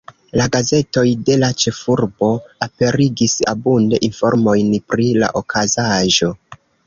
La gazetoj de la ĉefurbo aperigis abunde informojn pri la okazaĵo.